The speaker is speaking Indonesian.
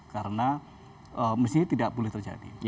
karena mesinnya tidak boleh terjadi